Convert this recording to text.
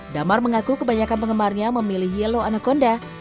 damar mengaku kebanyakan penggemarnya memilih yello anaconda